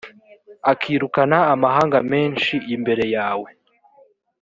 akirukana amahanga menshi imbere yawe,